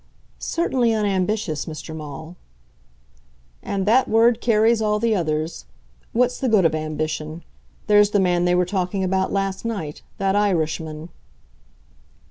"Certainly unambitious, Mr. Maule." "And that word carries all the others. What's the good of ambition? There's the man they were talking about last night, that Irishman."